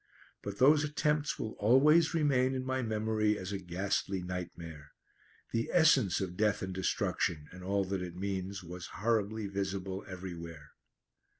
But those attempts will always remain in my memory as a ghastly nightmare. The essence of death and destruction, and all that it means, was horribly visible everywhere.